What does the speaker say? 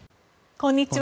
こんにちは。